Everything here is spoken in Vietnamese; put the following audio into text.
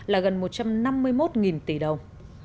là gần một trăm năm mươi một tỷ đồng